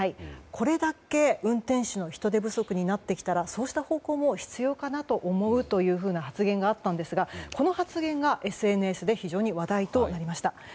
これだけ運転手の人手不足になってきたらそうした方向も必要かなと思うというような発言があったんですがこの発言がＳＮＳで非常に話題となりました。